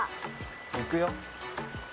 行くよ。